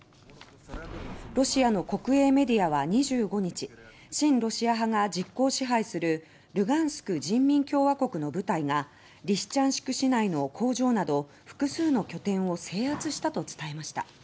ロシアの国営メディアは２５日親ロシア派が実効支配するルガンスク人民共和国の部隊がリシチャンシク市内の工場など複数の拠点を制圧したと伝えました。